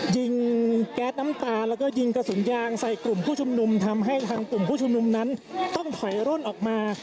ยิงแก๊สน้ำตาแล้วก็ยิงกระสุนยางใส่กลุ่มผู้ชุมนุมทำให้ทางกลุ่มผู้ชุมนุมนั้นต้องถอยร่นออกมา